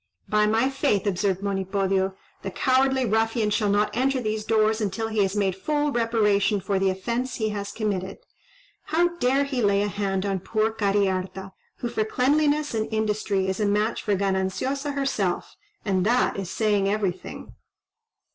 "By my faith," observed Monipodio, "the cowardly ruffian shall not enter these doors until he has made full reparation for the offence he has committed. How dare he lay a hand on poor Cariharta, who for cleanliness and industry is a match for Gananciosa herself, and that is saying everything."